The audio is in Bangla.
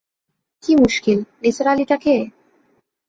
কী মুশকিল, নিসার আলিটা কে?